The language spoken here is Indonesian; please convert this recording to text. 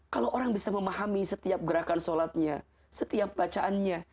kalau orang bisa memahami setiap gerakan sholatnya setiap bacaannya